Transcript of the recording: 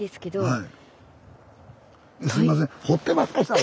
はい。